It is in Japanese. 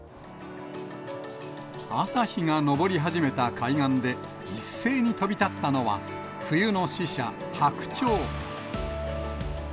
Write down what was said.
朝日が昇り始めた海岸で、一斉に飛び立ったのは、冬の使者、白鳥。